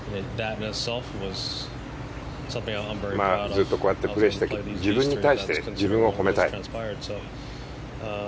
ずっとこうやってプレーしてきた自分に対して自分を褒めたい。